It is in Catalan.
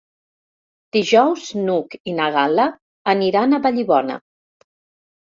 Dijous n'Hug i na Gal·la aniran a Vallibona.